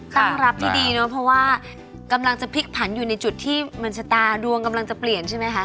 ตั้งรับที่ดีเนอะเพราะว่ากำลังจะพลิกผันอยู่ในจุดที่มันชะตาดวงกำลังจะเปลี่ยนใช่ไหมคะ